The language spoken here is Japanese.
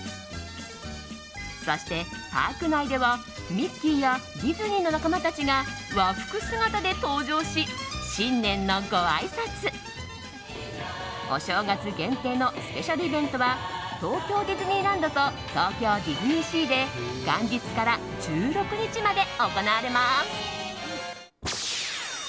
そしてパーク内ではミッキーやディズニーの仲間たちが和服姿で登場し新年のごあいさつ！お正月限定のスペシャルイベントは東京ディズニーランドと東京ディズニーシーで元日から１６日まで行われます。